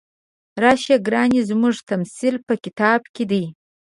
راشه ګرانې زموږ تمثیل په کتاب کې دی.